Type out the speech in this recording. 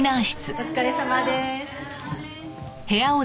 お疲れさまです。